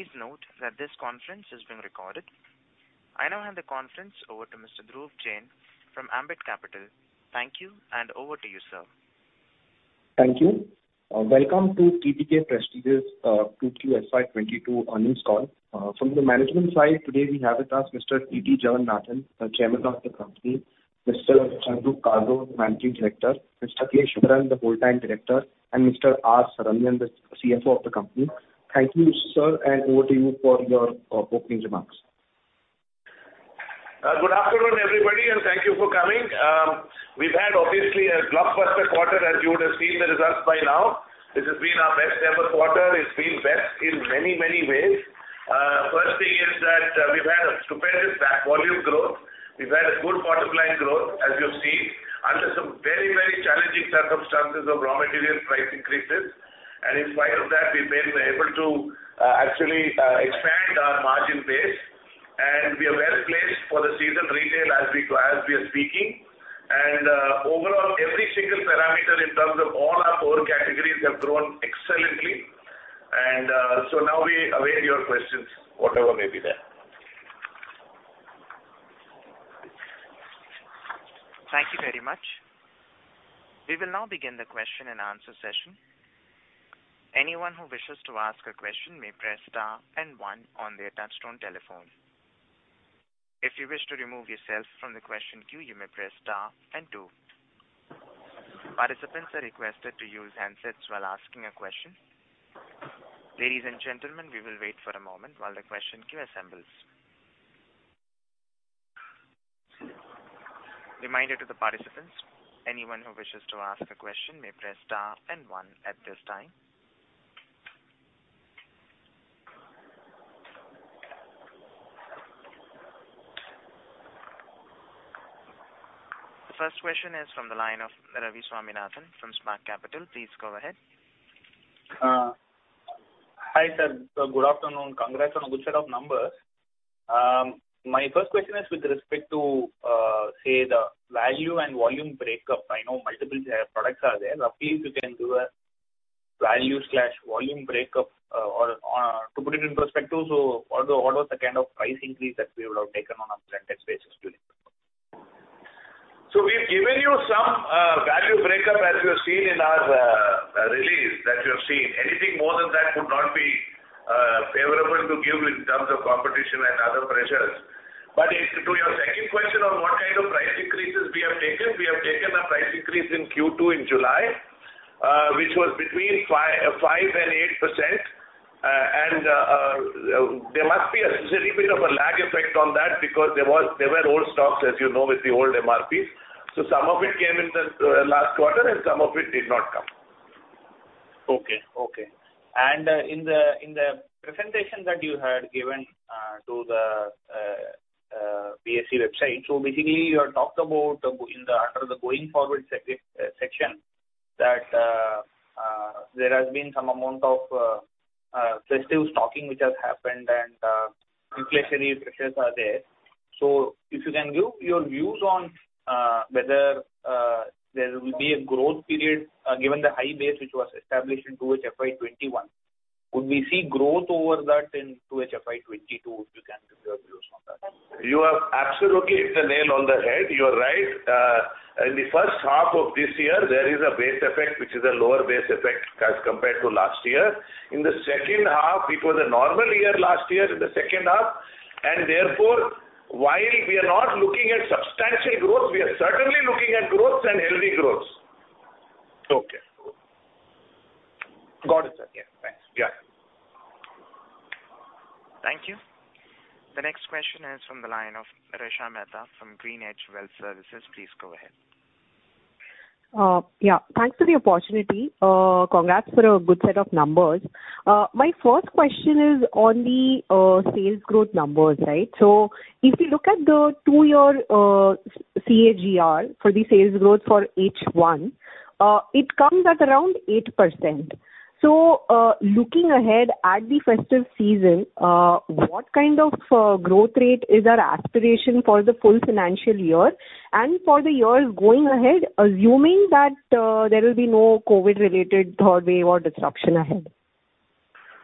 Please note that this conference is being recorded. I now hand the conference over to Mr. Dhruv Jain from Ambit Capital. Thank you, and over to you, sir. Thank you. Welcome to TTK Prestige's Q2 FY 2022 Earnings Call. From the management side, today, we have with us Mr. T.T. Jagannathan, the chairman of the company, Mr. Chandru Kalro, the managing director, Mr. K. Shankaran, the whole time director, and Mr. R. Saravanan, the CFO of the company. Thank you, sir, and over to you for your opening remarks. Good afternoon, everybody, and thank you for coming. We've had obviously a blockbuster quarter, as you would have seen the results by now. This has been our best ever quarter. It's been best in many, many ways. First thing is that, we've had a stupendous back volume growth. We've had a good bottom line growth, as you've seen, under some very, very challenging circumstances of raw material price increases. And in spite of that, we've been able to actually expand our margin base, and we are well placed for the season retail as we, as we are speaking. And overall, every single parameter in terms of all our core categories have grown excellently. So now we await your questions, whatever may be there. Thank you very much. We will now begin the question and answer session. Anyone who wishes to ask a question may press star and one on their touchtone telephone. If you wish to remove yourself from the question queue, you may press star and two. Participants are requested to use handsets while asking a question. Ladies and gentlemen, we will wait for a moment while the question queue assembles. Reminder to the participants, anyone who wishes to ask a question may press star and one at this time. The first question is from the line of Ravi Swaminathan from Spark Capital. Please go ahead. Hi, sir. Good afternoon. Congrats on a good set of numbers. My first question is with respect to, say, the value and volume breakup. I know multiple products are there. Roughly, if you can do a value/volume breakup, or, to put it in perspective, so what was, what was the kind of price increase that we would have taken on a percentage basis during this quarter? So we've given you some value breakup, as you have seen in our release, that you have seen. Anything more than that would not be favorable to give in terms of competition and other pressures. But to your second question on what kind of price increases we have taken, we have taken a price increase in Q2 in July, which was between 5-8%. And there must be a little bit of a lag effect on that because there were old stocks, as you know, with the old MRPs. So some of it came in the last quarter, and some of it did not come. Okay, okay. In the presentation that you had given to the BSE website, so basically, you had talked about in the, under the going forward section, that there has been some amount of festive stocking which has happened, and inflationary pressures are there. So if you can give your views on whether there will be a growth period, given the high base, which was established in 2H FY 2021. Would we see growth over that in 2H FY 2022? If you can give your views on that. You have absolutely hit the nail on the head. You are right. In the first half of this year, there is a base effect, which is a lower base effect as compared to last year. In the second half, it was a normal year last year in the second half, and therefore, while we are not looking at substantial growth, we are certainly looking at growth and healthy growth. Okay. Got it, sir. Yeah, thanks. Yeah. Thank you. The next question is from the line of Resha Mehta from Green Edge Wealth Services. Please go ahead. Yeah, thanks for the opportunity. Congrats for a good set of numbers. My first question is on the sales growth numbers, right? So if you look at the two-year CAGR for the sales growth for H1, it comes at around 8%. So, looking ahead at the festive season, what kind of growth rate is our aspiration for the full financial year and for the years going ahead, assuming that there will be no COVID-related third wave or disruption ahead?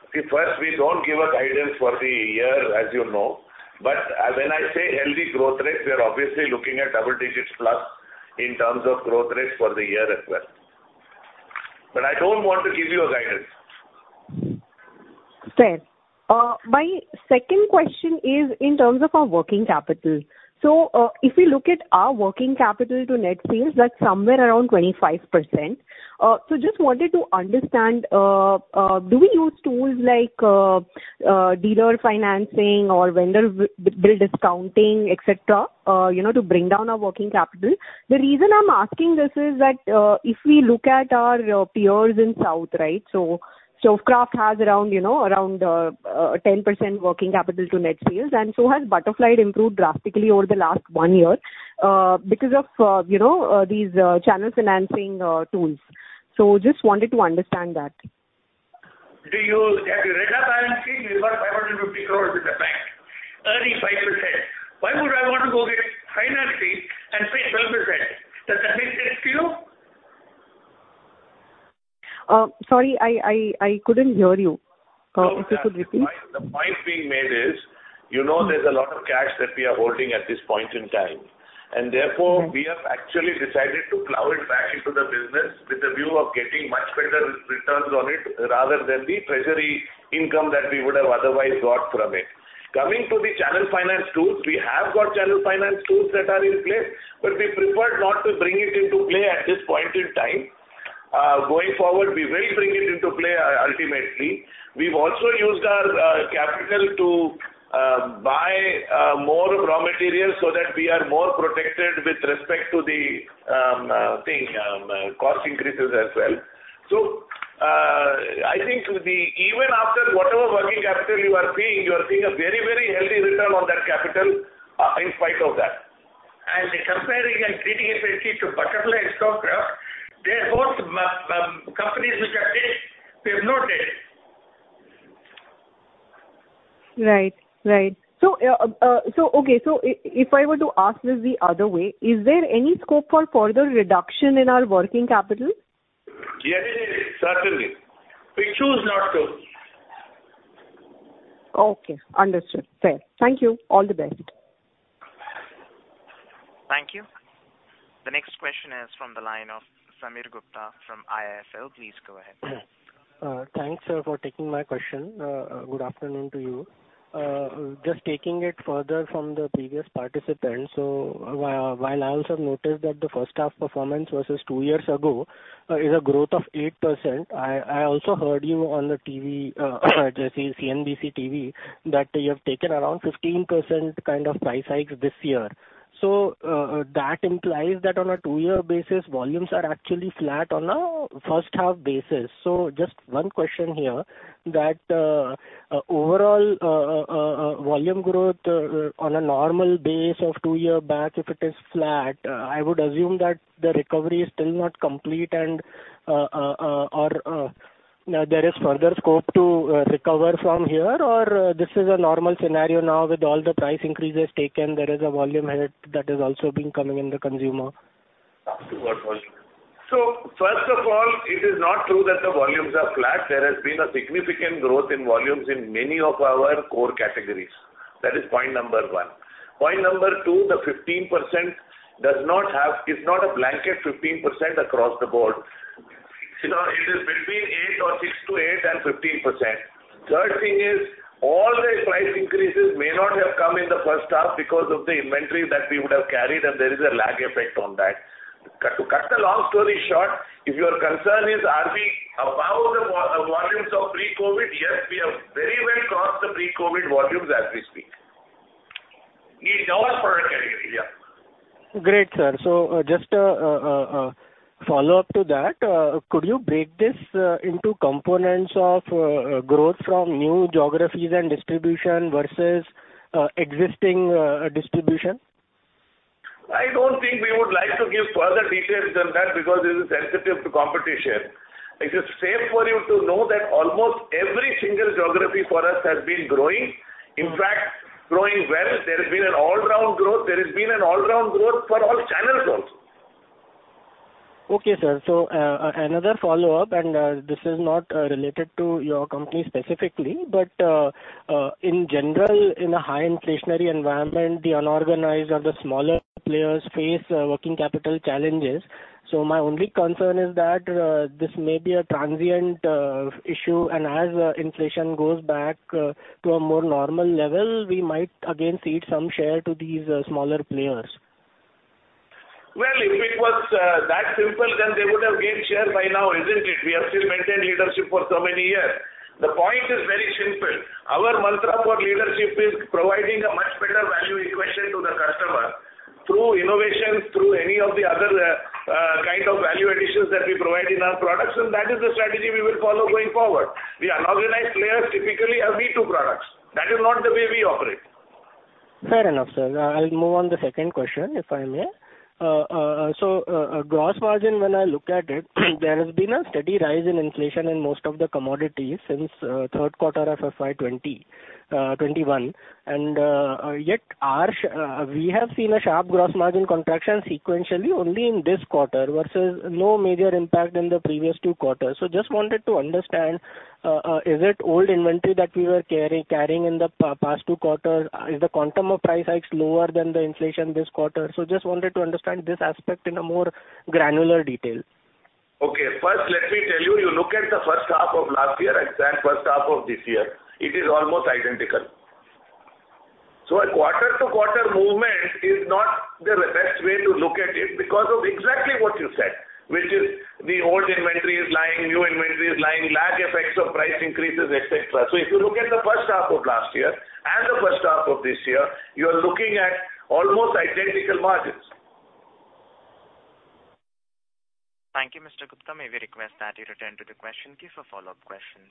Okay, first, we don't give a guidance for the year, as you know. But, when I say healthy growth rate, we are obviously looking at double digits plus in terms of growth rate for the year as well. But I don't want to give you a guidance. Fair. My second question is in terms of our working capital. So, if we look at our working capital to net sales, that's somewhere around 25%. So just wanted to understand, do we use tools like, dealer financing or vendor bill discounting, et cetera, you know, to bring down our working capital? The reason I'm asking this is that, if we look at our peers in South, right? So, Stovekraft has around, you know, around, 10% working capital to net sales, and so has Butterfly improved drastically over the last one year, because of, you know, these, channel financing, tools. So just wanted to understand that. Have you read our balance sheet? We've got 550 crore with the bank, earning 5%. Why would I want to go get financing and pay 12%? Does that make sense to you? ... Sorry, I couldn't hear you. Could you please repeat? The point being made is, you know, there's a lot of cash that we are holding at this point in time, and therefore, we have actually decided to plow it back into the business with a view of getting much better returns on it, rather than the treasury income that we would have otherwise got from it. Coming to the channel finance tools, we have got channel finance tools that are in place, but we preferred not to bring it into play at this point in time. Going forward, we will bring it into play, ultimately. We've also used our capital to buy more raw materials so that we are more protected with respect to the thing cost increases as well. So, I think even after whatever working capital you are seeing, you are seeing a very, very healthy return on that capital, in spite of that. And comparing and treating it fairly to Butterfly and Stovekraft, they are both companies which are debt. We have no debt. Right. Right. So, okay, if I were to ask this the other way, is there any scope for further reduction in our working capital? Yes, certainly. We choose not to. Okay, understood. Fair. Thank you. All the best. Thank you. The next question is from the line of Sameer Gupta from IIFL. Please go ahead. Thanks, sir, for taking my question. Good afternoon to you. Just taking it further from the previous participant, so while I also noticed that the first half performance versus two years ago is a growth of 8%, I also heard you on the TV, CNBC TV, that you have taken around 15% kind of price hikes this year. So, that implies that on a two-year basis, volumes are actually flat on a first half basis. So, just one question here, that overall volume growth on a normal base of two year back, if it is flat, I would assume that the recovery is still not complete and, or, there is further scope to recover from here, or this is a normal scenario now with all the price increases taken, there is a volume hit that is also been coming in the consumer. So first of all, it is not true that the volumes are flat. There has been a significant growth in volumes in many of our core categories. That is point number one. Point number two, the 15% does not have—it's not a blanket 15% across the board. You know, it is between 8% or 6%-8% and 15%. Third thing is, all the price increases may not have come in the first half because of the inventory that we would have carried, and there is a lag effect on that. To cut the long story short, if your concern is, are we above the volumes of pre-COVID? Yes, we have very well crossed the pre-COVID volumes as we speak. In all product categories, yeah. Great, sir. So, just a follow-up to that, could you break this into components of growth from new geographies and distribution versus existing distribution? I don't think we would like to give further details than that, because this is sensitive to competition. It is safe for you to know that almost every single geography for us has been growing. In fact, growing well. There has been an all-round growth. There has been an all-round growth for all channels also. Okay, sir. So, another follow-up, and, this is not related to your company specifically, but, in general, in a high inflationary environment, the unorganized or the smaller players face working capital challenges. So my only concern is that, this may be a transient issue, and as inflation goes back to a more normal level, we might again cede some share to these smaller players. Well, if it was that simple, then they would have gained share by now, isn't it? We have still maintained leadership for so many years. The point is very simple. Our mantra for leadership is providing a much better value equation to the customer through innovation, through any of the other kind of value additions that we provide in our products, and that is the strategy we will follow going forward. The unorganized players typically are me-too products. That is not the way we operate. Fair enough, sir. I'll move on the second question, if I may. So, gross margin, when I look at it, there has been a steady rise in inflation in most of the commodities since Q3 of FY 2021, and yet we have seen a sharp gross margin contraction sequentially only in this quarter, versus no major impact in the previous two quarters. So just wanted to understand, is it old inventory that we were carrying in the past two quarters? Is the quantum of price hikes lower than the inflation this quarter? So just wanted to understand this aspect in a more granular detail. Okay. First, let me tell you, you look at the first half of last year and first half of this year, it is almost identical. So a quarter-to-quarter movement is not the best way to look at it because of exactly what you said, which is the old inventory is lying, new inventory is lying, lag effects of price increases, et cetera. So if you look at the first half of last year and the first half of this year, you are looking at almost identical margins. Thank you, Mr. Gupta. May we request that you return to the question queue for follow-up questions.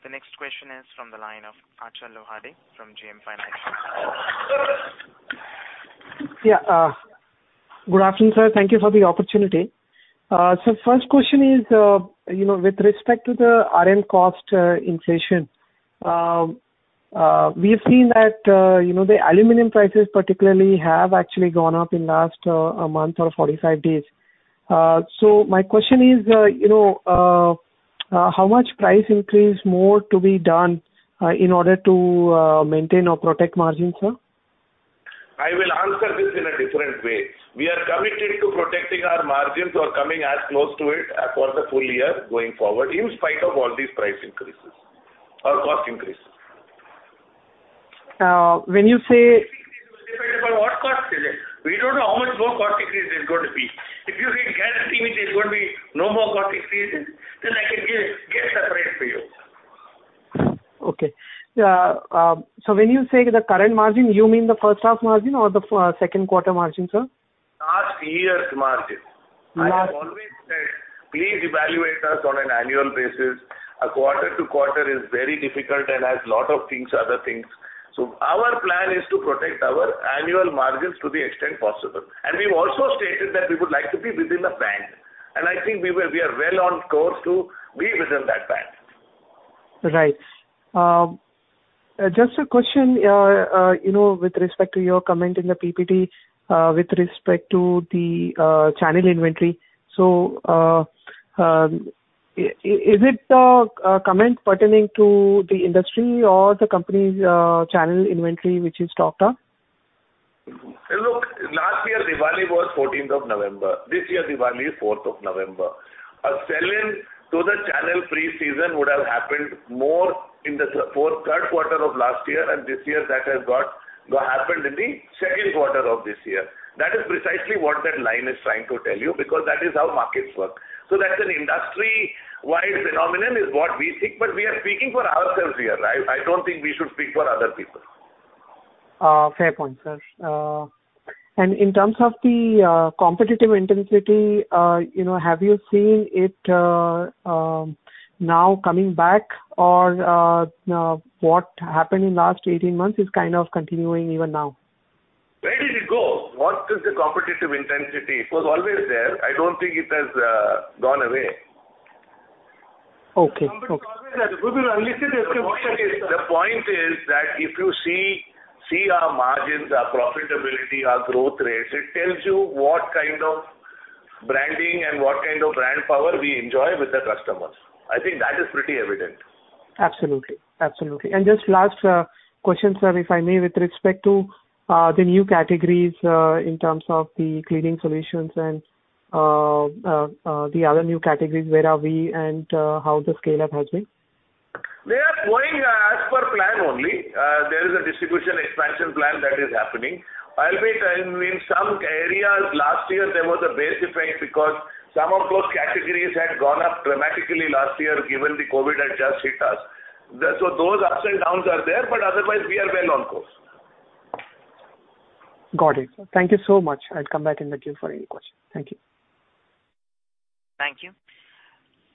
The next question is from the line of Achal Lohade from JM Financial. Yeah, good afternoon, sir. Thank you for the opportunity. So first question is, you know, with respect to the RM cost, inflation- we've seen that, you know, the aluminum prices particularly have actually gone up in last month or 45 days. So my question is, you know, how much price increase more to be done, in order to maintain or protect margins, sir? I will answer this in a different way. We are committed to protecting our margins or coming as close to it for the full year going forward, in spite of all these price increases or cost increases. When you say- Depends upon what cost is it. We don't know how much more cost increase is going to be. If you think everything is going to be no more cost increases, then I can give, give separate for you. Okay. So when you say the current margin, you mean the first half margin or the Q2 margin, sir? Last year's margin. Mar- I always said, please evaluate us on an annual basis. A quarter to quarter is very difficult and has a lot of things, other things. So our plan is to protect our annual margins to the extent possible. And we've also stated that we would like to be within the band, and I think we were—we are well on course to be within that band. Right. Just a question, you know, with respect to your comment in the PPT, with respect to the channel inventory. So, is it a comment pertaining to the industry or the company's channel inventory, which you talked of? Look, last year, Diwali was fourteenth of November. This year, Diwali is fourth of November. A sell-in to the channel pre-season would have happened more in the fourth, Q3 of last year, and this year that has got happened in the Q2 of this year. That is precisely what that line is trying to tell you, because that is how markets work. So that's an industry-wide phenomenon, is what we think, but we are speaking for ourselves here, right? I don't think we should speak for other people. Fair point, sir. And in terms of the competitive intensity, you know, have you seen it now coming back or what happened in last 18 months is kind of continuing even now? Where did it go? What is the competitive intensity? It was always there. I don't think it has gone away. Okay. Okay. The point is that if you see our margins, our profitability, our growth rates, it tells you what kind of branding and what kind of brand power we enjoy with the customers. I think that is pretty evident. Absolutely. Absolutely. And just last question, sir, if I may, with respect to the new categories, in terms of the cleaning solutions and the other new categories, where are we and how the scale-up has been? They are going, as per plan only. There is a distribution expansion plan that is happening. I'll be telling in some areas, last year there was a base effect because some of those categories had gone up dramatically last year, given the COVID had just hit us. So those ups and downs are there, but otherwise we are well on course. Got it. Thank you so much. I'll come back in the queue for any question. Thank you. Thank you.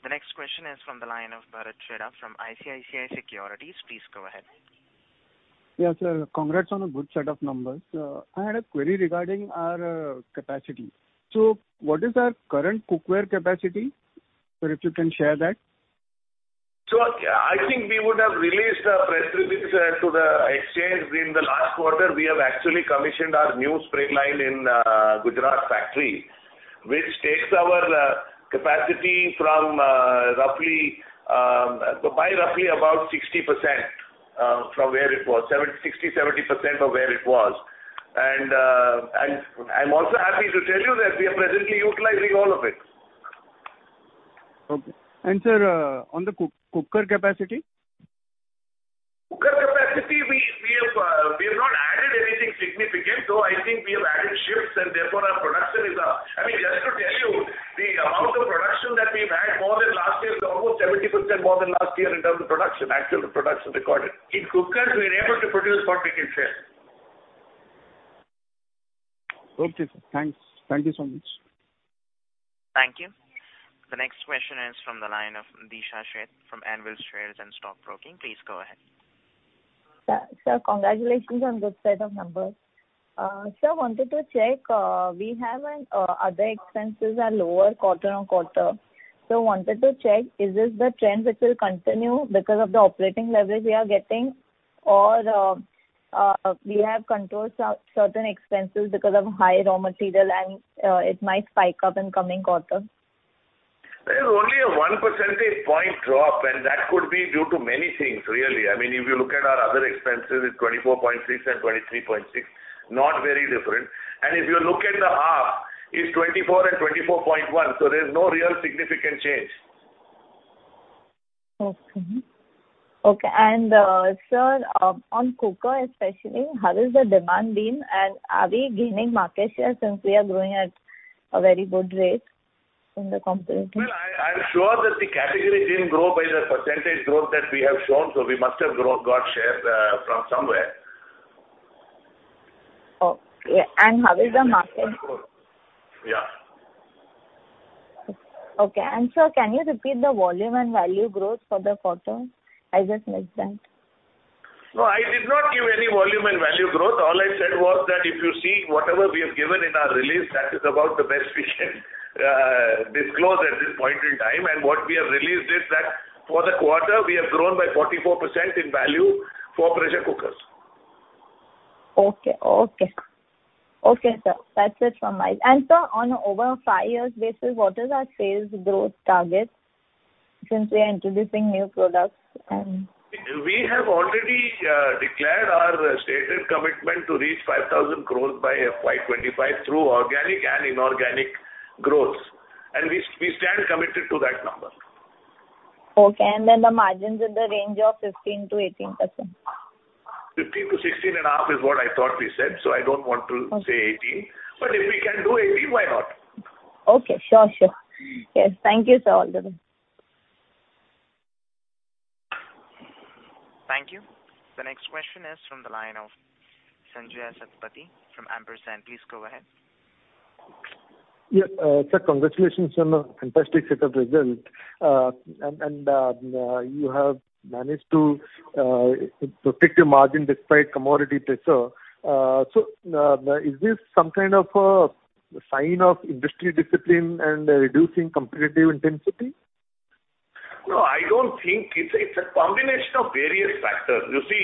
The next question is from the line of Bharat Chhoda from ICICI Securities. Please go ahead. Yes, sir. Congrats on a good set of numbers. I had a query regarding our capacity. So what is our current cookware capacity? Sir, if you can share that. So I think we would have released a press release to the exchange. In the last quarter, we have actually commissioned our new spring line in Gujarat factory, which takes our capacity from roughly by roughly about 60% from where it was, 60%-70% of where it was. And I'm also happy to tell you that we are presently utilizing all of it. Okay. And, sir, on the cooker capacity? Cooker capacity, we have not added anything significant, though I think we have added shifts and therefore our production is up. I mean, just to tell you, the amount of production that we've had more than last year is almost 70% more than last year in terms of production, actual production recorded. In cookers, we're able to produce what we can sell. Okay, sir. Thanks. Thank you so much. Thank you. The next question is from the line of Disha Sheth from Anvil Share & Stock Broking. Please go ahead. Sir, sir, congratulations on this set of numbers. Sir, wanted to check, we have other expenses are lower quarter-over-quarter. So wanted to check, is this the trend which will continue because of the operating leverage we are getting? Or, we have controlled certain expenses because of high raw material, and it might spike up in coming quarters. There is only a 1 percentage point drop, and that could be due to many things, really. I mean, if you look at our other expenses, it's 24.6 and 23.6, not very different. If you look at the half, it's 24 and 24.1, so there's no real significant change. Okay. Okay, and, sir, on cooker especially, how has the demand been? And are we gaining market share since we are growing at a very good rate in the competitive? Well, I'm sure that the category didn't grow by the percentage growth that we have shown, so we must have got shares from somewhere. Okay, and how is the market? Yeah. Okay, and sir, can you repeat the volume and value growth for the quarter? I just missed that. ...No, I did not give any volume and value growth. All I said was that if you see whatever we have given in our release, that is about the best we can, disclose at this point in time. And what we have released is that for the quarter, we have grown by 44% in value for pressure cookers. Okay, sir. That's it. Sir, on over five years basis, what is our sales growth target, since we are introducing new products and- We have already declared our stated commitment to reach 5,000 crores by FY 2025 through organic and inorganic growth, and we, we stand committed to that number. Okay, and then the margins in the range of 15%-18%. 15-16.5 is what I thought we said, so I don't want to say 18. Okay. But if we can do 18, why not? Okay, sure, sure. Mm. Yes. Thank you, sir, all the way. Thank you. The next question is from the line of Sanjaya Satapathy from Ampersand. Please go ahead. Yeah. Sir, congratulations on a fantastic set of results. You have managed to protect your margin despite commodity pressure. Is this some kind of a sign of industry discipline and reducing competitive intensity? No, I don't think... It's a, it's a combination of various factors. You see,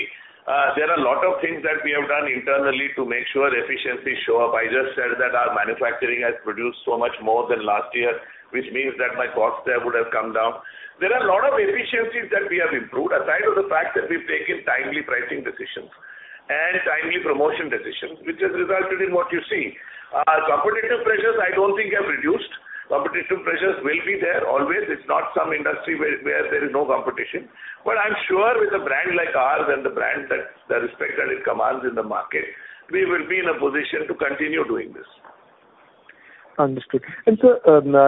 there are a lot of things that we have done internally to make sure efficiencies show up. I just said that our manufacturing has produced so much more than last year, which means that my costs there would have come down. There are a lot of efficiencies that we have improved, aside of the fact that we've taken timely pricing decisions and timely promotion decisions, which has resulted in what you see. Competitive pressures, I don't think have reduced. Competitive pressures will be there always. It's not some industry where, where there is no competition. But I'm sure with a brand like ours and the respect that it commands in the market, we will be in a position to continue doing this. Understood. And sir,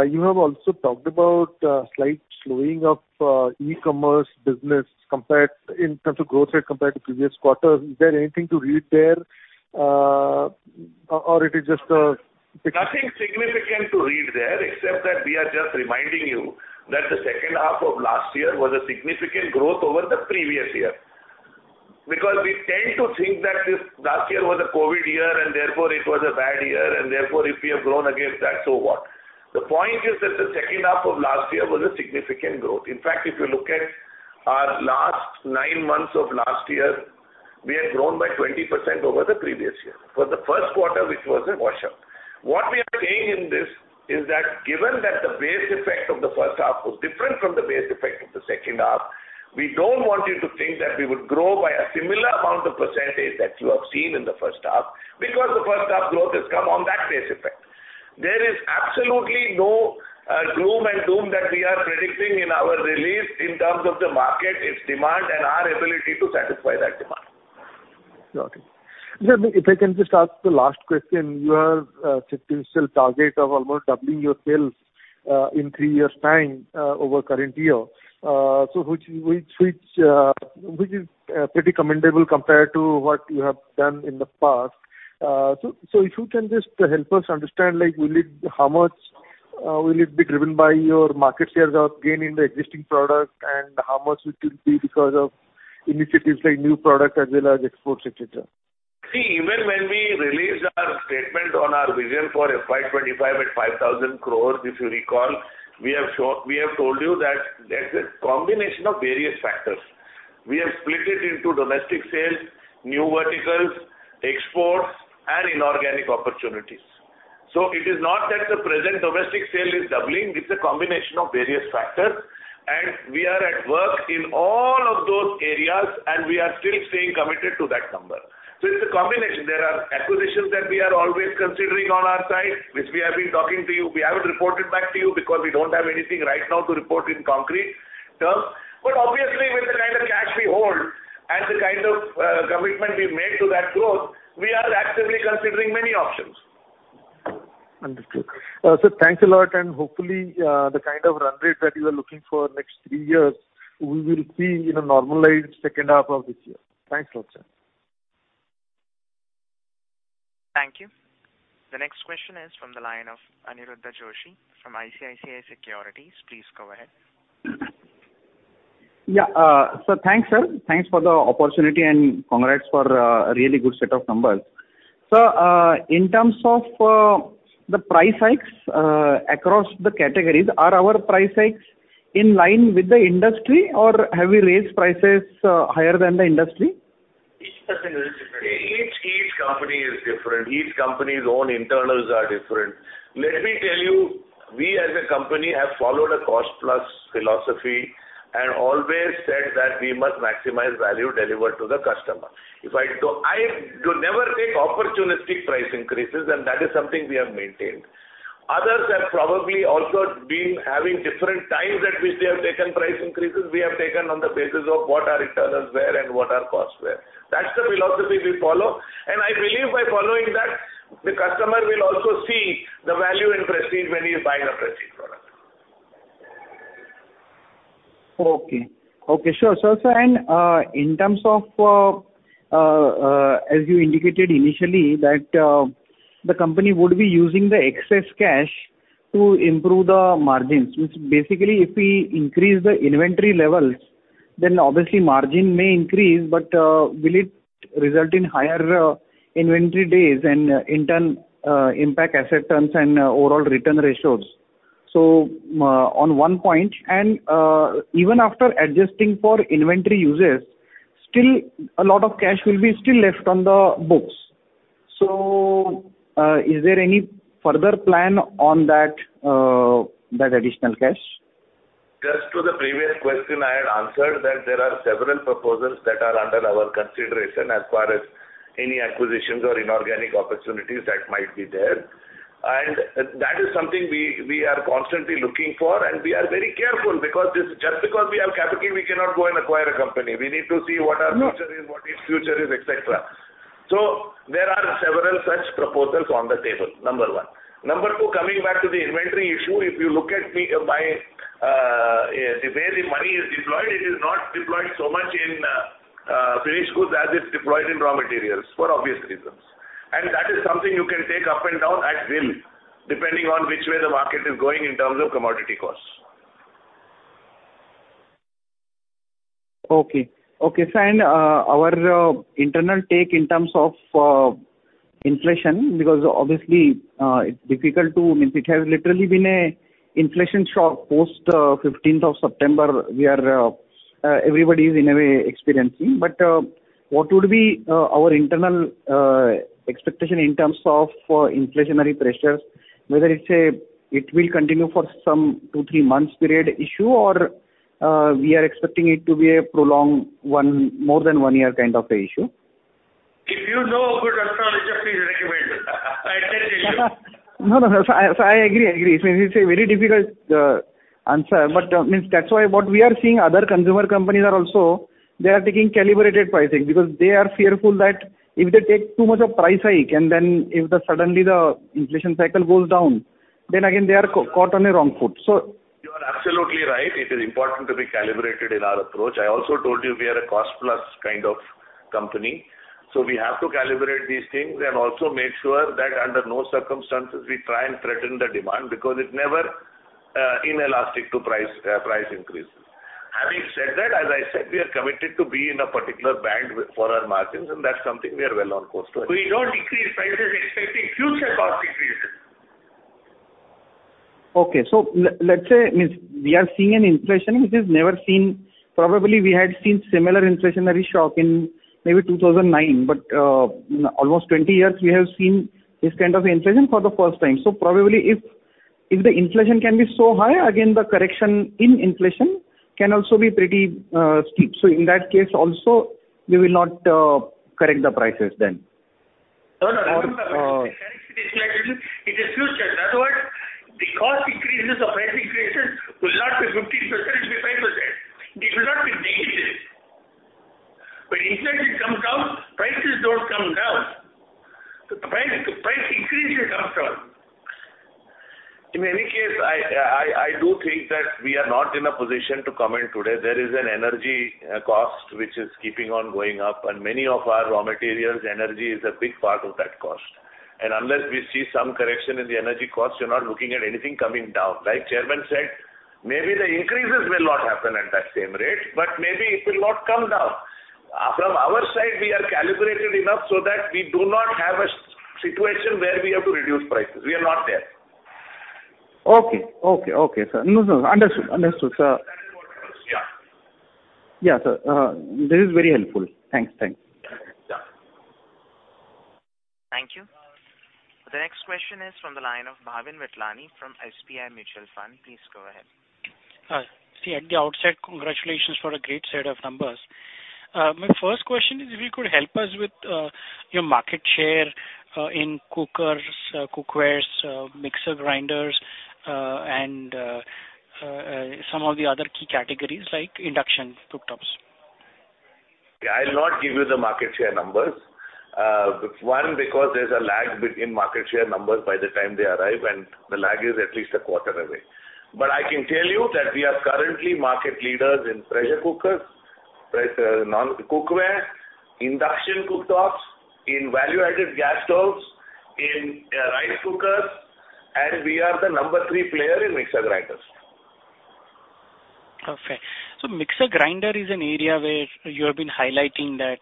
you have also talked about slight slowing of e-commerce business compared in terms of growth rate compared to previous quarters. Is there anything to read there, or it is just, Nothing significant to read there, except that we are just reminding you that the second half of last year was a significant growth over the previous year. Because we tend to think that this last year was a COVID year, and therefore it was a bad year, and therefore, if we have grown against that, so what? The point is that the second half of last year was a significant growth. In fact, if you look at our last nine months of last year, we have grown by 20% over the previous year, for the Q1, which was a washout. What we are saying in this is that, given that the base effect of the first half was different from the base effect of the second half, we don't want you to think that we would grow by a similar amount of percentage that you have seen in the first half, because the first half growth has come on that base effect. There is absolutely no gloom and doom that we are predicting in our release in terms of the market, its demand, and our ability to satisfy that demand. Got it. Sir, if I can just ask the last question, your 15 sales target of almost doubling your sales in three years' time over current year. So, so if you can just help us understand, like, will it—how much will it be driven by your market shares or gain in the existing product, and how much it will be because of initiatives like new products as well as exports, et cetera? See, even when we released our statement on our vision for FY 2025 at 5,000 crore, if you recall, we have told you that there's a combination of various factors. We have split it into domestic sales, new verticals, exports, and inorganic opportunities. So it is not that the present domestic sale is doubling, it's a combination of various factors, and we are at work in all of those areas, and we are still staying committed to that number. So it's a combination. There are acquisitions that we are always considering on our side, which we have been talking to you. We haven't reported back to you because we don't have anything right now to report in concrete terms. But obviously, with the kind of cash we hold and the kind of commitment we've made to that growth, we are actively considering many options. Understood. Sir, thanks a lot, and hopefully, the kind of run rate that you are looking for next three years, we will see in a normalized second half of this year. Thanks a lot, sir. Thank you. The next question is from the line of Aniruddha Joshi from ICICI Securities. Please go ahead. Yeah, so thanks, sir. Thanks for the opportunity, and congrats for a really good set of numbers. Sir, in terms of the price hikes across the categories, are our price hikes in line with the industry, or have we raised prices higher than the industry? Each company is different. Each, each company is different. Each company's own internals are different. Let me tell you, we, as a company, have followed a cost-plus philosophy and always said that we must maximize value delivered to the customer. If I do—I do never take opportunistic price increases, and that is something we have maintained. Others have probably also been having different times at which they have taken price increases. We have taken on the basis of what our internals were and what our costs were. That's the philosophy we follow, and I believe by following that, the customer will also see the value in Prestige when he is buying a Prestige product. Okay. Okay, sure. So, sir, and, in terms of, as you indicated initially, that, the company would be using the excess cash to improve the margins, which basically, if we increase the inventory levels, then obviously margin may increase, but, will it result in higher, inventory days and in turn, impact asset turns and overall return ratios? So, on one point, and, even after adjusting for inventory uses, still a lot of cash will be still left on the books. So, is there any further plan on that, that additional cash? Just to the previous question, I had answered that there are several proposals that are under our consideration as far as any acquisitions or inorganic opportunities that might be there. And that is something we are constantly looking for, and we are very careful because this, just because we have capital, we cannot go and acquire a company. We need to see what our future is- No. -what its future is, et cetera. So there are several such proposals on the table, number one. Number two, coming back to the inventory issue, if you look at me, my, where the money is deployed, it is not deployed so much in, finished goods as it's deployed in raw materials, for obvious reasons. And that is something you can take up and down at will, depending on which way the market is going in terms of commodity costs. Okay. Okay, sir, and our internal take in terms of inflation, because obviously, it's difficult. I mean, it has literally been an inflation shock post fifteenth of September. We are, everybody is in a way, experiencing. But what would be our internal expectation in terms of inflationary pressures? Whether it's it will continue for some two, three months period issue, or we are expecting it to be a prolonged one, more than one year kind of an issue. If you know a good astrologer, please recommend it. I can't tell you. No, no, sir, I, I agree, I agree. It's a very difficult answer, but means that's why what we are seeing other consumer companies are also, they are taking calibrated pricing because they are fearful that if they take too much of price hike, and then if suddenly the inflation cycle goes down, then again, they are caught on a wrong foot. So- You are absolutely right. It is important to be calibrated in our approach. I also told you we are a cost-plus kind of company, so we have to calibrate these things and also make sure that under no circumstances we try and threaten the demand because it's never, inelastic to price, price increases. Having said that, as I said, we are committed to be in a particular band for our margins, and that's something we are well on course to achieve. We don't decrease prices expecting future cost increases. Okay, so let's say, means we are seeing an inflation which is never seen. Probably, we had seen similar inflationary shock in maybe 2009, but almost 20 years, we have seen this kind of inflation for the first time. So probably if the inflation can be so high, again, the correction in inflation can also be pretty steep. So in that case also, we will not correct the prices then. No, no, it is future. In other words, the cost increases or price increases will not be 15%, it'll be 5%. It will not be negative. When inflation comes down, prices don't come down. The price, the price increases comes down. In any case, I, I, I do think that we are not in a position to comment today. There is an energy cost, which is keeping on going up, and many of our raw materials, energy is a big part of that cost. And unless we see some correction in the energy costs, you're not looking at anything coming down. Like chairman said, maybe the increases will not happen at that same rate, but maybe it will not come down. From our side, we are calibrated enough so that we do not have a situation where we have to reduce prices. We are not there. Okay. Okay, okay, sir. No, no, understood. Understood, sir. That is what it is. Yeah. Yeah, sir, this is very helpful. Thanks. Thanks. Yeah. Thank you. The next question is from the line of Bhavin Vatlani from SBI Mutual Fund. Please go ahead. See, at the outset, congratulations for a great set of numbers. My first question is, if you could help us with your market share in cookers, cookwares, mixer grinders, and some of the other key categories like induction cooktops. I'll not give you the market share numbers. One, because there's a lag between market share numbers by the time they arrive, and the lag is at least a quarter away. But I can tell you that we are currently market leaders in pressure cookers, non-stick cookware, induction cooktops, in value-added gas stoves, in rice cookers, and we are the number 3 player in mixer grinders. Okay. So mixer grinder is an area where you have been highlighting that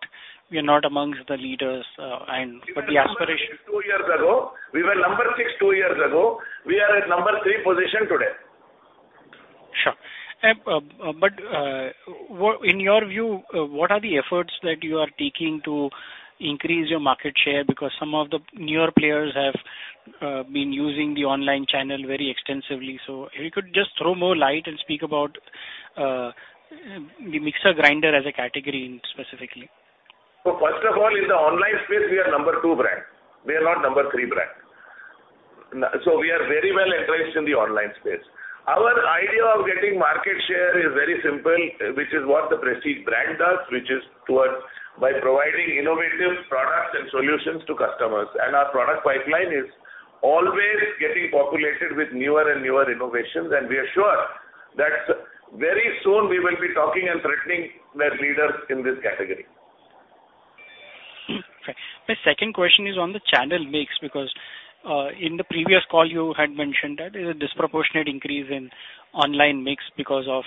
we are not amongst the leaders, and but the aspiration- We were number six two years ago. We are at number three position today. Sure. But, in your view, what are the efforts that you are taking to increase your market share? Because some of the newer players have been using the online channel very extensively. So if you could just throw more light and speak about the mixer grinder as a category specifically. So first of all, in the online space, we are number two brand. We are not number three brand. So we are very well entrenched in the online space. Our idea of getting market share is very simple, which is what the Prestige brand does, which is toward by providing innovative products and solutions to customers. And our product pipeline is always getting populated with newer and newer innovations, and we are sure that very soon we will be talking and threatening the leaders in this category. ... My second question is on the channel mix, because, in the previous call, you had mentioned that there's a disproportionate increase in online mix because of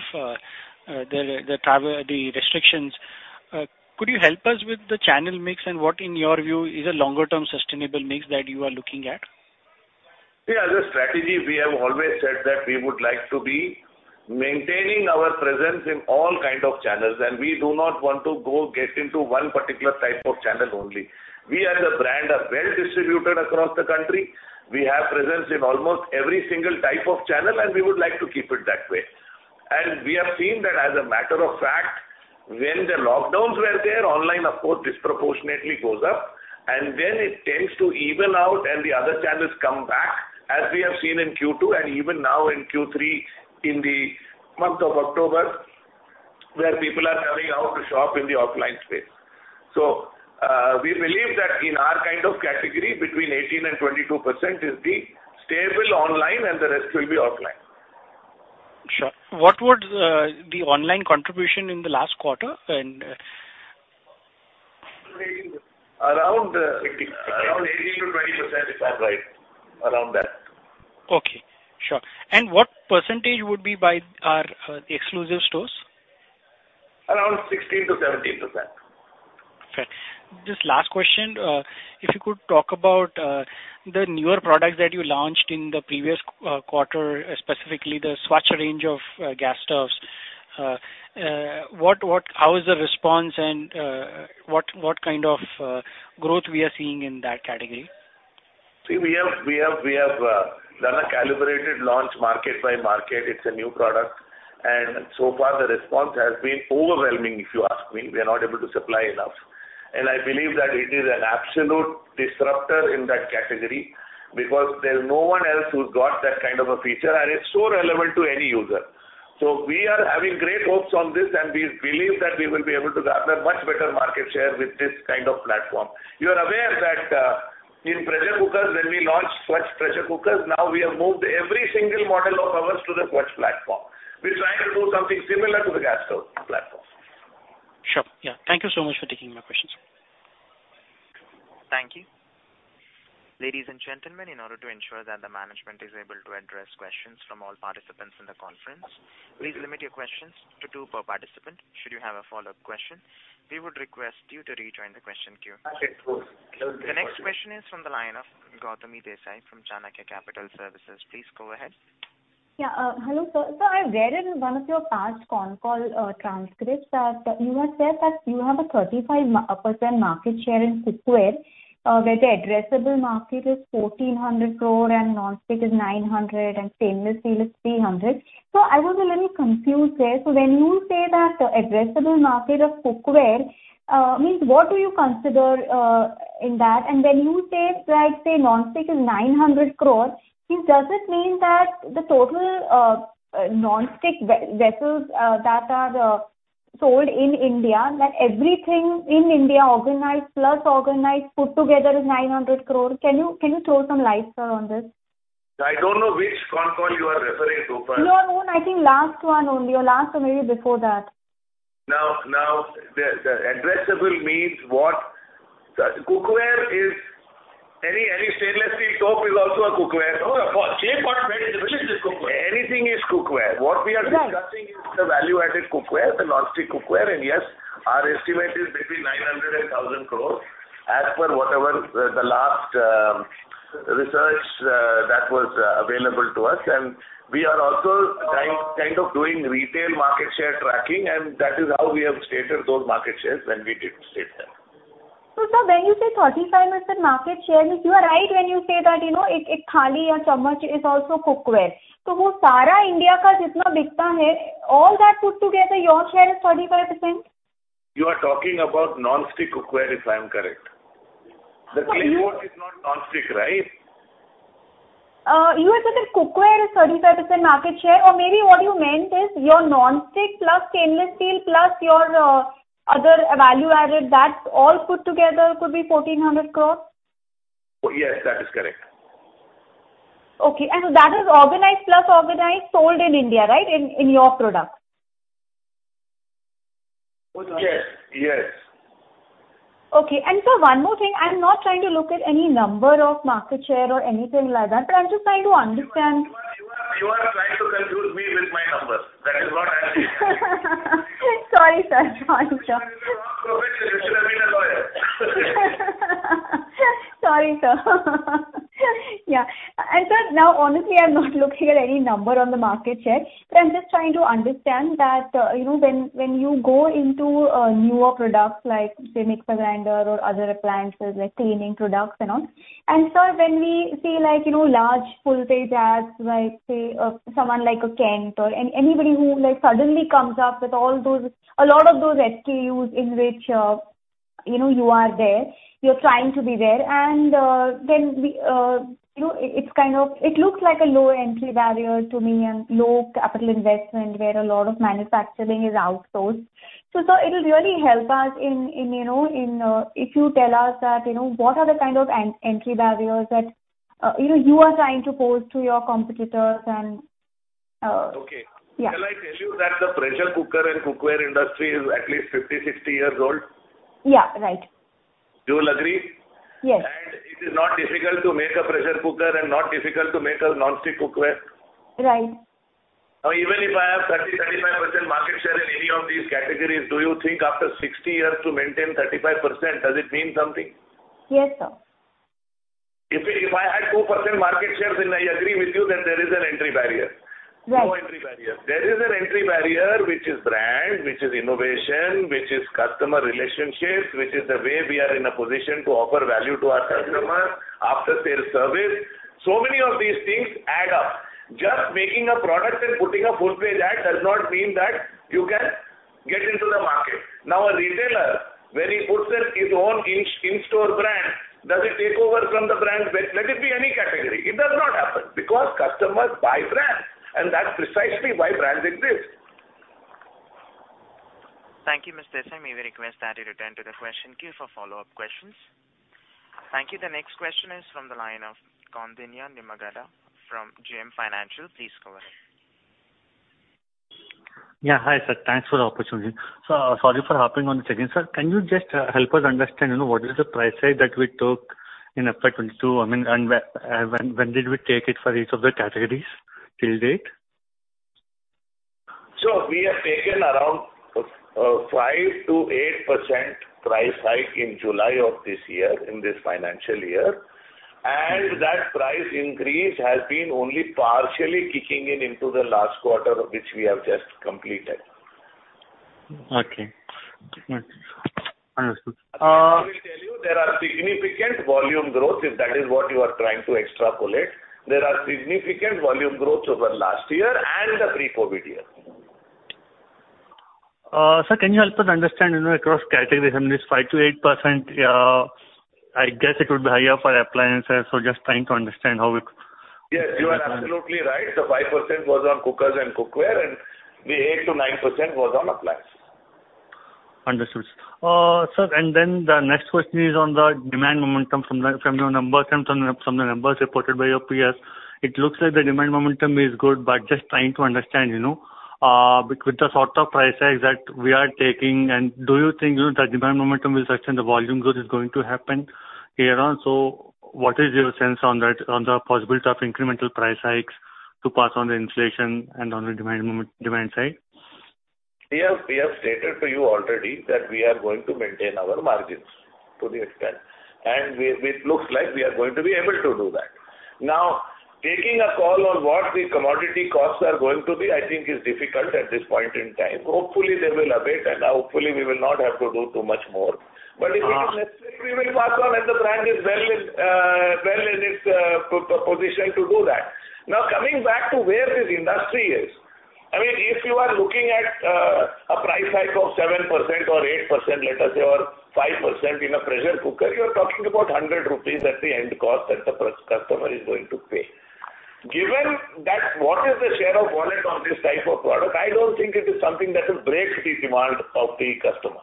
the travel restrictions. Could you help us with the channel mix, and what in your view is a longer-term sustainable mix that you are looking at? Yeah, as a strategy, we have always said that we would like to be maintaining our presence in all kind of channels, and we do not want to go get into one particular type of channel only. We as a brand are well distributed across the country. We have presence in almost every single type of channel, and we would like to keep it that way. We have seen that, as a matter of fact, when the lockdowns were there, online, of course, disproportionately goes up, and then it tends to even out, and the other channels come back, as we have seen in Q2 and even now in Q3, in the month of October, where people are coming out to shop in the offline space. We believe that in our kind of category, between 18%-22% is the stable online, and the rest will be offline. Sure. What would the online contribution in the last quarter and Around 18%-20%, if I'm right. Around that. Okay, sure. What percentage would be by our exclusive stores? Around 16%-17%. Okay. Just last question, if you could talk about the newer products that you launched in the previous quarter, specifically the Svachh range of gas stoves. How is the response, and what kind of growth we are seeing in that category? See, we have done a calibrated launch, market by market. It's a new product, and so far the response has been overwhelming, if you ask me. We are not able to supply enough. And I believe that it is an absolute disruptor in that category, because there's no one else who's got that kind of a feature, and it's so relevant to any user. So we are having great hopes on this, and we believe that we will be able to gather much better market share with this kind of platform. You are aware that, in pressure cookers, when we launched Svachh pressure cookers, now we have moved every single model of ours to the Svachh platform. We're trying to do something similar to the gas stove platform. Sure. Yeah. Thank you so much for taking my questions. Thank you. Ladies and gentlemen, in order to ensure that the management is able to address questions from all participants in the conference, please limit your questions to two per participant. Should you have a follow-up question, we would request you to rejoin the question queue. Okay, of course. The next question is from the line of Gautami Desai from Chanakya Capital Services. Please go ahead. Yeah, hello, sir. Sir, I read in one of your past con call transcripts that you had said that you have a 35% market share in cookware, where the addressable market is 1,400 crore and non-stick is 900 crore and stainless steel is 300 crore. So I was a little confused there. So when you say that the addressable market of cookware means what do you consider in that? And when you say that, say, non-stick is 900 crore, does it mean that the total non-stick vessels that are sold in India, that everything in India, organized, plus organized, put together, is 900 crore? Can you throw some light, sir, on this? I don't know which con call you are referring to, but- No, no, I think last one only, or last, or maybe before that. Now, the addressable means what? Cookware is... Any stainless steel stove is also a cookware. No, of course. which is cookware. Anything is cookware. Yes. What we are discussing is the value-added cookware, the non-stick cookware, and yes, our estimate is between 900 crore and 1,000 crore, as per whatever the last research that was available to us. We are also kind of doing retail market share tracking, and that is how we have stated those market shares when we did state them. So, sir, when you say 35% market share, means you are right when you say that, you know, a thali or chamach is also cookware. To wo sara India ka jitna bikta hai, all that put together, your share is 35%? You are talking about non-stick cookware, if I am correct. Uh- The steel boat is not non-stick, right? You had said that cookware is 35% market share, or maybe what you meant is your non-stick, plus stainless steel, plus your other value-added, that all put together could be 1,400 crore? Yes, that is correct. Okay. And so that is organized plus organized sold in India, right, in your products? Yes, yes. Okay. And sir, one more thing. I'm not trying to look at any number of market share or anything like that, but I'm just trying to understand- You are trying to confuse me with my numbers. That is what I am saying. Sorry, sir. Sorry, sir. You should have been a lawyer. Sorry, sir. Yeah. And sir, now, honestly, I'm not looking at any number on the market share, but I'm just trying to understand that, you know, when, when you go into newer products like, say, mixer grinder or other appliances like cleaning products and all, and sir, when we see like, you know, large Voltas ads, like, say, someone like a Kent or anybody who like suddenly comes up with all those, a lot of those SKUs in which, you know, you are there, you're trying to be there. And, then we, you know, it's kind of... It looks like a low entry barrier to me and low capital investment, where a lot of manufacturing is outsourced. So sir, it'll really help us in, you know, if you tell us that, you know, what are the kind of entry barriers that, you know, you are trying to pose to your competitors and-... Okay. Yeah. Shall I tell you that the pressure cooker and cookware industry is at least 50-60 years old? Yeah, right. Do you agree? Yes. It is not difficult to make a pressure cooker and not difficult to make a non-stick cookware. Right. Now, even if I have 30%-35% market share in any of these categories, do you think after 60 years to maintain 35%, does it mean something? Yes, sir. If I had 2% market shares, then I agree with you that there is an entry barrier. Right. No entry barrier. There is an entry barrier, which is brand, which is innovation, which is customer relationships, which is the way we are in a position to offer value to our customers, after-sale service. So many of these things add up. Just making a product and putting a footwear ad does not mean that you can get into the market. Now, a retailer, when he puts in his own in-store brand, does it take over from the brand? Let it be any category. It does not happen because customers buy brands, and that's precisely why brands exist. Thank you, Mr. Desai. May we request that you return to the question queue for follow-up questions? Thank you. The next question is from the line of Koundinya Nimmagadda from JM Financial. Please go ahead. Yeah. Hi, sir. Thanks for the opportunity. So, sorry for hopping on the second, sir. Can you just help us understand, you know, what is the price tag that we took in FY 2022? I mean, and when, when did we take it for each of the categories till date? We have taken around 5%-8% price hike in July of this year, in this financial year, and that price increase has been only partially kicking in into the last quarter, which we have just completed. Okay. Understood. I will tell you, there are significant volume growth, if that is what you are trying to extrapolate. There are significant volume growth over last year and the pre-COVID year. Sir, can you help us understand, you know, across categories, I mean, this 5%-8%, I guess it would be higher for appliances, so just trying to understand how it- Yes, you are absolutely right. The 5% was on cookers and cookware, and the 8%-9% was on appliances. Understood. Sir, and then the next question is on the demand momentum from your numbers and from the numbers reported by your PS. It looks like the demand momentum is good, but just trying to understand, you know, with the sort of price tags that we are taking, and do you think, you know, the demand momentum will sustain, the volume growth is going to happen here on? So what is your sense on that, on the possibility of incremental price hikes to pass on the inflation and on the demand side? We have, we have stated to you already that we are going to maintain our margins to the extent, and we- it looks like we are going to be able to do that. Now, taking a call on what the commodity costs are going to be, I think is difficult at this point in time. Hopefully, they will abate, and hopefully, we will not have to do too much more. Uh. But if it is necessary, we will pass on, and the brand is well in, well in its position to do that. Now, coming back to where this industry is, I mean, if you are looking at a price hike of 7% or 8%, let us say, or 5% in a pressure cooker, you're talking about 100 rupees at the end cost that the Prestige customer is going to pay. Given that, what is the share of wallet on this type of product? I don't think it is something that will break the demand of the customer.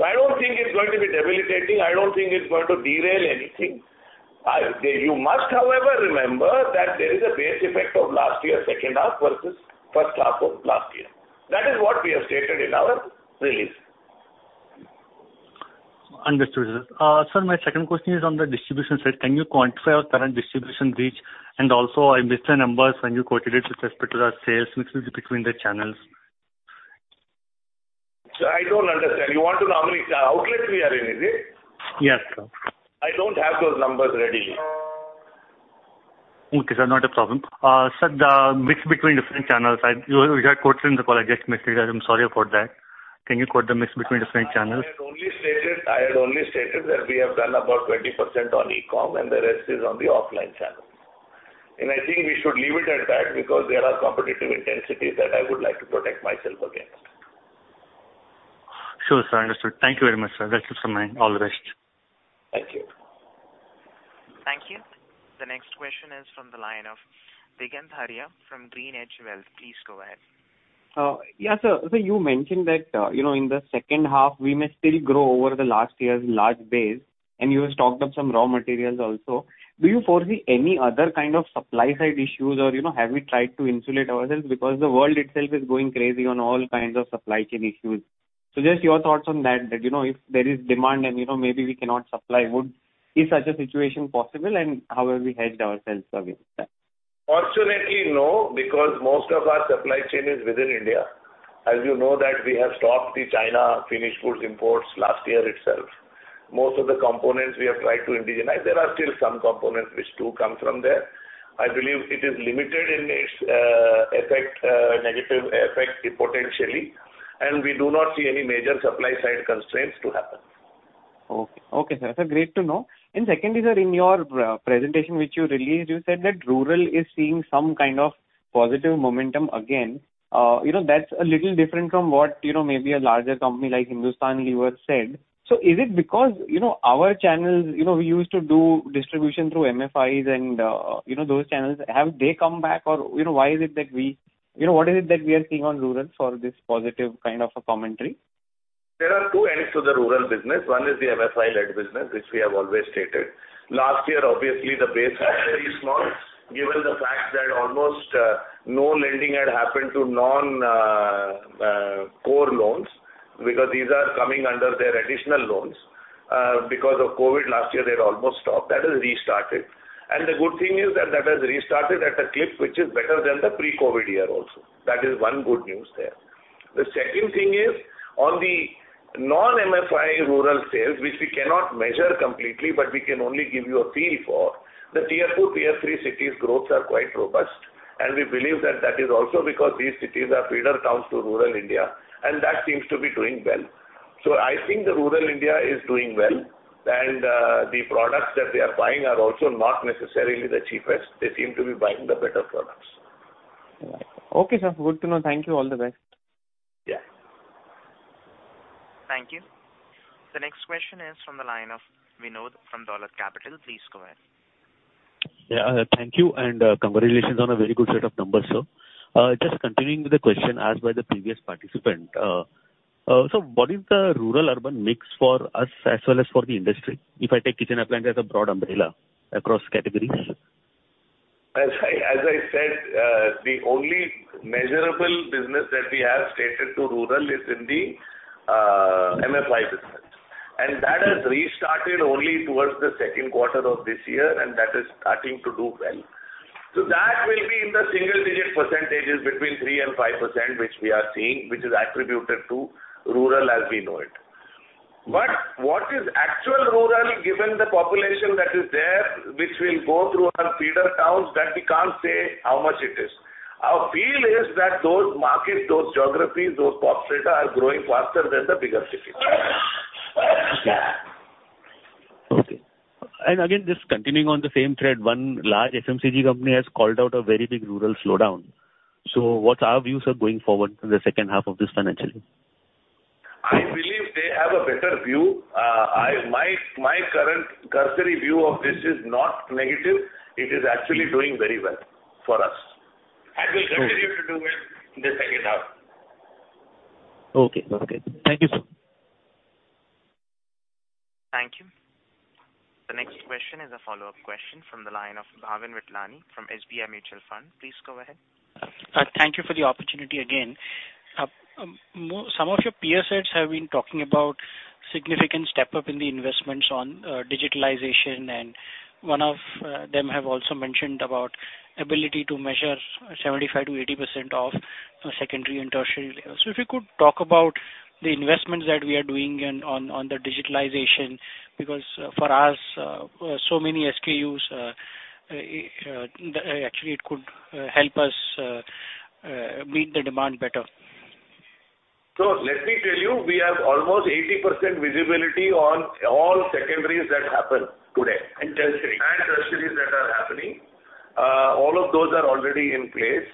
So I don't think it's going to be debilitating. I don't think it's going to derail anything. I... You must, however, remember that there is a base effect of last year, second half versus first half of last year. That is what we have stated in our release. Understood, sir. Sir, my second question is on the distribution side. Can you quantify our current distribution reach? And also, I missed the numbers when you quoted it with respect to the sales mix between the channels. I don't understand. You want to know how many outlets we are in, is it? Yes, sir. I don't have those numbers ready. Okay, sir, not a problem. Sir, the mix between different channels, you had quoted in the call, I just missed it. I'm sorry about that. Can you quote the mix between different channels? I had only stated, I had only stated that we have done about 20% on e-com, and the rest is on the offline channels. And I think we should leave it at that, because there are competitive intensities that I would like to protect myself against. Sure, sir. Understood. Thank you very much, sir. That's it from my end. All the best. Thank you. Thank you. The next question is from the line of Digant Haria from Green Edge Wealth. Please go ahead. Yeah, sir. So you mentioned that, you know, in the second half, we may still grow over the last year's large base, and you have stocked up some raw materials also. Do you foresee any other kind of supply-side issues or, you know, have we tried to insulate ourselves? Because the world itself is going crazy on all kinds of supply chain issues. So just your thoughts on that, you know, if there is demand and, you know, maybe we cannot supply, is such a situation possible, and how have we hedged ourselves against that? Fortunately, no, because most of our supply chain is within India. As you know that we have stopped the China finished goods imports last year itself. Most of the components we have tried to indigenize. There are still some components which do come from there. I believe it is limited in its effect, negative effect, potentially, and we do not see any major supply-side constraints to happen. Okay. Okay, sir. So great to know. And secondly, sir, in your presentation, which you released, you said that rural is seeing some kind of positive momentum again. You know, that's a little different from what, you know, maybe a larger company like Hindustan Lever said. So is it because, you know, our channels, you know, we used to do distribution through MFIs and, you know, those channels, have they come back or, you know, why is it that we... You know, what is it that we are seeing on rural for this positive kind of a commentary? There are two ends to the rural business. One is the MFI-led business, which we have always stated. Last year, obviously, the base was very small, given the fact that almost no lending had happened to non-core loans, because these are coming under their additional loans. Because of COVID last year, they had almost stopped. That has restarted. And the good thing is that that has restarted at a clip which is better than the pre-COVID year also. That is one good news there. The second thing is, on the non-MFI rural sales, which we cannot measure completely, but we can only give you a feel for, the tier two, tier three cities growths are quite robust, and we believe that that is also because these cities are feeder towns to rural India, and that seems to be doing well. So I think the rural India is doing well, and the products that they are buying are also not necessarily the cheapest. They seem to be buying the better products. Okay, sir. Good to know. Thank you. All the best. Yeah. Thank you. The next question is from the line of Vinod from Dolat Capital. Please go ahead. Yeah, thank you, and, congratulations on a very good set of numbers, sir. Just continuing with the question asked by the previous participant, so what is the rural-urban mix for us as well as for the industry, if I take kitchen appliance as a broad umbrella across categories? As I, as I said, the only measurable business that we have stated to rural is in the MFI business, and that has restarted only towards the Q2 of this year, and that is starting to do well. So that will be in the single digit percentages between 3%-5%, which we are seeing, which is attributed to rural as we know it. But what is actual rural, given the population that is there, which will go through our feeder towns, that we can't say how much it is. Our feel is that those markets, those geographies, those pop data are growing faster than the bigger cities. Okay. And again, just continuing on the same thread, one large FMCG company has called out a very big rural slowdown. So what's our views of going forward in the second half of this financial year? I believe they have a better view. I, my current cursory view of this is not negative. It is actually doing very well for us, and will continue to do well in the second half. Okay. Okay. Thank you, sir. Thank you. The next question is a follow-up question from the line of Bhavin Vatlani from SBI Mutual Fund. Please go ahead. Thank you for the opportunity again. Some of your peer sets have been talking about significant step up in the investments on digitalization, and one of them have also mentioned about ability to measure 75%-80% of secondary and tertiary levels. So if you could talk about the investments that we are doing in on the digitalization, because for us so many SKUs actually it could meet the demand better. Let me tell you, we have almost 80% visibility on all secondaries that happen today. And tertiaries. And tertiaries that are happening. All of those are already in place.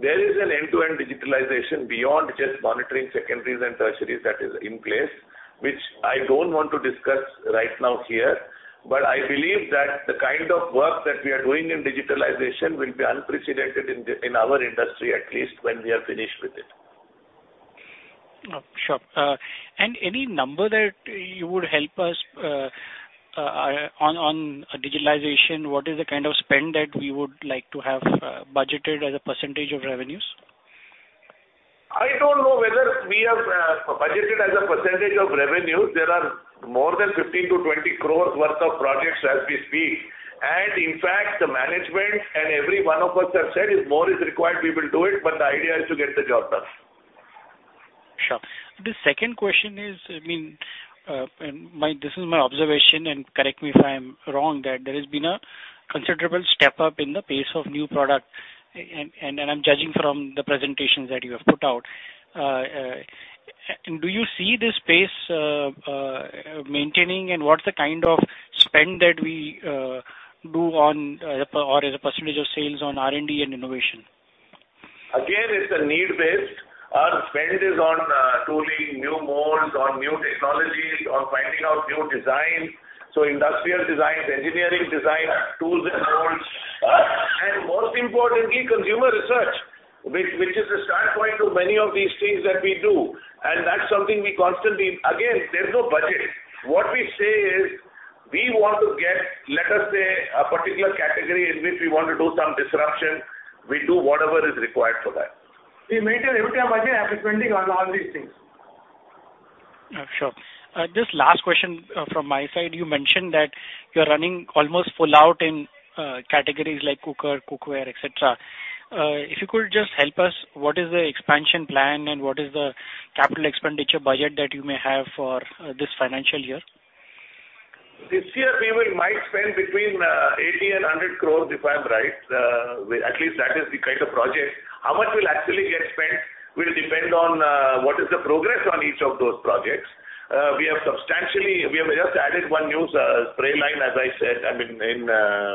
There is an end-to-end digitalization beyond just monitoring secondaries and tertiaries that is in place, which I don't want to discuss right now here, but I believe that the kind of work that we are doing in digitalization will be unprecedented in the, in our industry, at least when we are finished with it. Oh, sure. And any number that you would help us on digitalization, what is the kind of spend that we would like to have budgeted as a percentage of revenues? I don't know whether we have budgeted as a percentage of revenues. There are more than 15-20 crores worth of projects as we speak. And in fact, the management and every one of us have said, if more is required, we will do it, but the idea is to get the job done. Sure. The second question is, I mean, and my... This is my observation, and correct me if I am wrong, that there has been a considerable step up in the pace of new product, and I'm judging from the presentations that you have put out. And do you see this pace maintaining, and what's the kind of spend that we do on, or as a percentage of sales on R&D and innovation? Again, it's a need base. Our spend is on tooling, new molds, on new technologies, on finding out new design, so industrial designs, engineering design, tools and molds, and most importantly, consumer research, which is the starting point to many of these things that we do, and that's something we constantly. Again, there's no budget. What we say is, we want to get, let us say, a particular category in which we want to do some disruption, we do whatever is required for that. We maintain a budget and spending on all these things. Sure. Just last question from my side. You mentioned that you're running almost full out in categories like cooker, cookware, et cetera. If you could just help us, what is the expansion plan, and what is the capital expenditure budget that you may have for this financial year? This year, we will might spend between 80 crores and 100 crores, if I'm right. At least that is the kind of project. How much will actually get spent will depend on what is the progress on each of those projects. We have just added 1 new spray line, as I said, I mean, in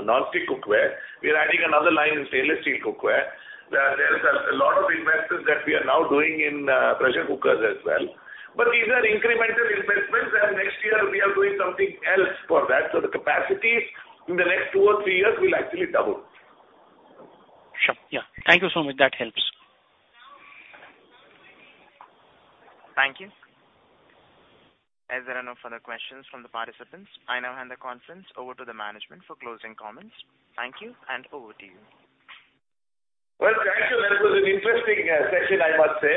non-stick cookware. We are adding another line in stainless steel cookware. There is a lot of investments that we are now doing in pressure cookers as well. But these are incremental investments, and next year we are doing something else for that. So the capacity in the next 2 or 3 years will actually double. Sure. Yeah. Thank you so much. That helps. Thank you. As there are no further questions from the participants, I now hand the conference over to the management for closing comments. Thank you, and over to you. Well, thank you. That was an interesting session, I must say.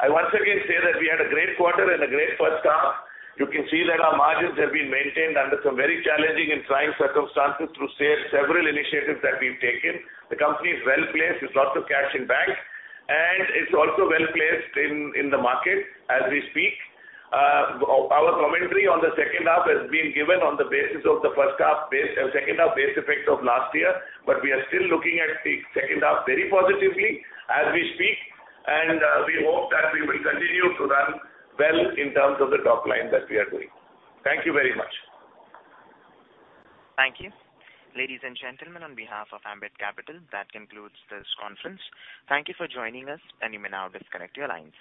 I once again say that we had a great quarter and a great first half. You can see that our margins have been maintained under some very challenging and trying circumstances through several initiatives that we've taken. The company is well-placed. There's lots of cash in bank, and it's also well-placed in the market as we speak. Our commentary on the second half has been given on the basis of the first half base, second half base effects of last year, but we are still looking at the second half very positively as we speak, and we hope that we will continue to run well in terms of the top line that we are doing. Thank you very much. Thank you. Ladies and gentlemen, on behalf of Ambit Capital, that concludes this conference. Thank you for joining us, and you may now disconnect your lines.